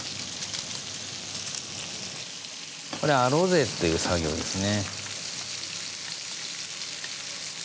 これアロゼっていう作業ですね。